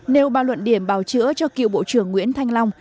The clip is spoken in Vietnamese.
nêu ba luận điểm bào chữa cho cựu bộ trưởng nguyễn thanh long